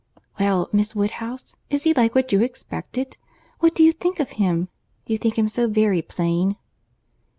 Well, Miss Woodhouse, is he like what you expected? What do you think of him? Do you think him so very plain?"